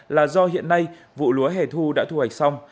là do hiện nay vụ lúa hẻ thu đã thu hoạch xong